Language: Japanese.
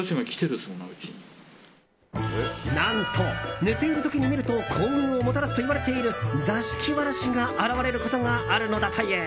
何と、寝ている時に見ると幸運をもたらすといわれている座敷わらしが現れることがあるのだという。